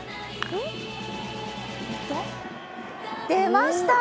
出ました！